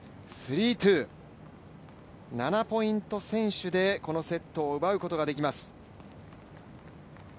７ポイント先取でこのセットを奪うことができます。